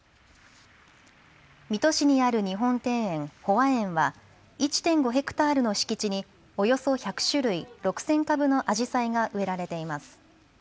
水戸市にある日本庭園、保和苑は１．５ヘクタールの敷地におよそ１００種類、６０００株のあじさいが植えられています。